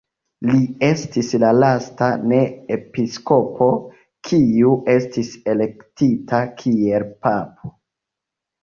Li estis la lasta ne-episkopo, kiu estis elektita kiel papo.